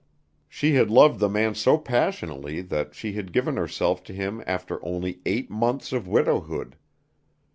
She had loved the man so passionately that she had given herself to him after only eight months of widowhood.